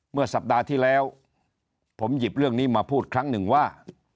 เมื่อสัปดาห์ที่แล้วผมหยิบเรื่องนี้มาพูดครั้งหนึ่งว่า